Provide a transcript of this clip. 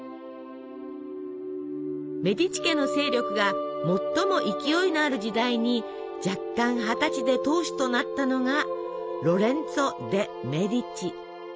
メディチ家の勢力が最も勢いのある時代に弱冠二十歳で当主となったのが「ＩｌＭａｇｎｉｆｉｃｏ」。